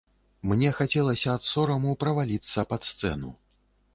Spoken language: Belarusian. Мне хацелася ад сораму праваліцца пад сцэну.